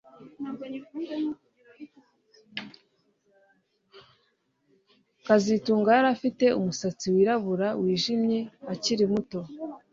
kazitunga yari afite umusatsi wirabura wijimye akiri muto